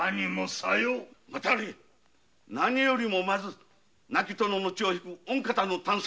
何よりもまず亡き殿の血を引く御方の探索を。